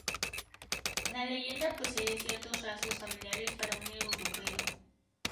La leyenda posee ciertos rasgos familiares para un europeo.